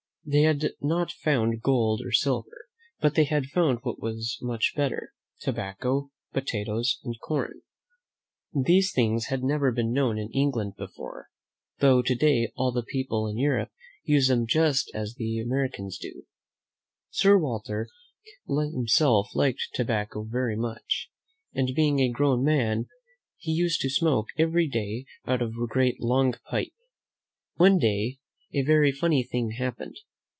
They had not found gold or silver, but they had found what was much better, tobacco, potatoes and corn. These things had never been known in England before, though to day all the people in Europe use them just <'^A »)•" THE BOY WHO LOVED THE SEA :^c as the Americans do. Sir Walter himself liked tobacco very much, and, being a grown man, he used to smoke every day out of a great, long pipe. One day a very funny thing happened.